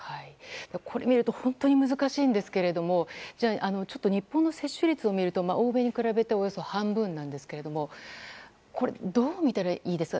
これを見ると本当に難しいんですけど日本の接種率を見ると欧米に比べておよそ半分なんですがこれ、どう見たらいいですか？